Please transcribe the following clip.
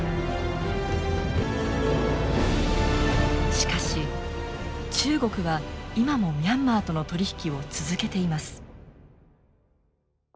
しかし中国は今もミャンマーとの取り引きを続けています。